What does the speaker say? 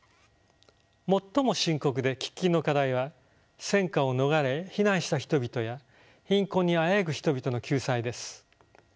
最も深刻で喫緊の課題は戦火を逃れ避難した人々や貧困にあえぐ人々の救済です。